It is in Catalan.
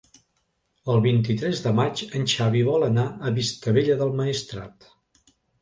El vint-i-tres de maig en Xavi vol anar a Vistabella del Maestrat.